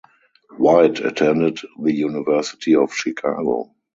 White attended the University of Chicago.